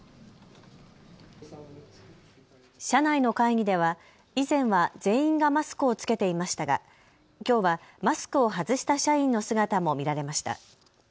社内の会議では以前は全員がマスクを着けていましたが、きょうはマスクを外した社員の姿も見られました。